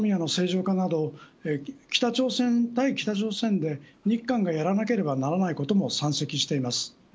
ＧＳＯＭＩＡの正常化など北朝鮮対北朝鮮に日韓がやらなければならないことも山積しています。